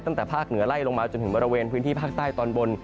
ตั้งแต่ภาคเหนือไล่ลงมาจนถึงบริเวณพื้นที่ภาคใต้ตอนบน